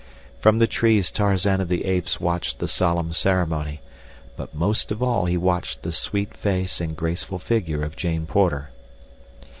From the trees Tarzan of the Apes watched the solemn ceremony; but most of all he watched the sweet face and graceful figure of Jane Porter.